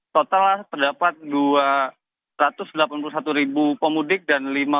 total terdapat dua ratus delapan puluh satu ribu pemudik dan lima